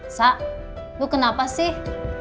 elsa lu kenapa sih